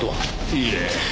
いいえ。